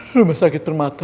rumah sakit bermata